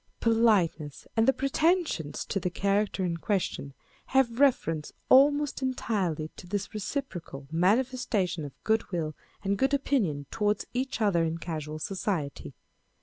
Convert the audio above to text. Politeness and the pretensions to the character in question have reference almost entirely to this reciprocal manifestation of good will and good opinion towards each other in casual society.